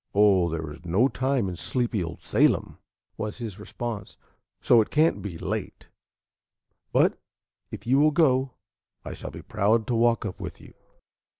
"Oh, there is no time in sleepy old Salem," was his response, "so it can't be late; but if you will go, I shall be proud to walk up with you."